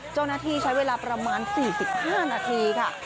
เจ้าหน้าที่ใช้เวลาประมาณ๔๕นาทีค่ะ